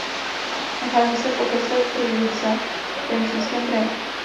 Nachází se v okrese Prievidza v Trenčínském kraji.